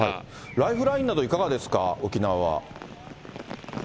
ライフラインなど、いかがですか、沖縄は。